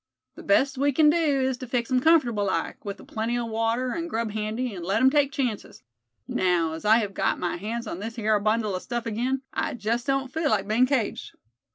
The best we kin do is to fix him comfortable like, with a plenty o' water and grub handy, and let him take chances. Now, as I hev got my hands on this hyar bundle o' stuff again, I jest don't feel like bein' caged."